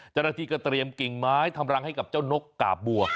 จริงก็เตรียมกิ่งไม้ทำรังให้กับเจ้านกกาบัว